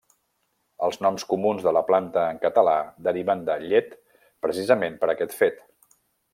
Els noms comuns de la planta en català deriven de 'llet', precisament per aquest fet.